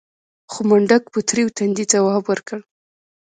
خو منډک په تريو تندي ځواب ورکړ.